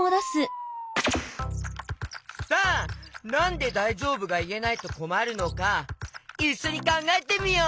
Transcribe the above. さあなんで「だいじょうぶ？」がいえないとこまるのかいっしょにかんがえてみよう！